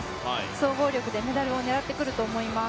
総合力でメダルを狙ってくると思います。